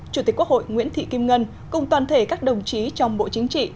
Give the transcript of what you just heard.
chủ tịch quốc hội nguyễn thị kim ngân cùng toàn thể các đồng chí trong bộ chính trị